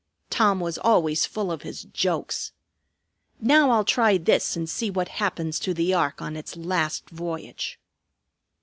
Tom was always full of his jokes. Now I'll try this and see what happens to the ark on its last voyage."